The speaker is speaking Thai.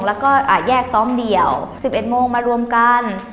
แล้วก็แยกซ้อมเดี่ยว๑๑โมงมารวมกัน